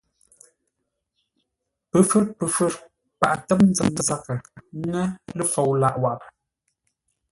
Pəfə̌r pəfə̌r, paghʼə tə́m nzəm zaghʼə ńŋə́ lə fou lâʼ waghʼə.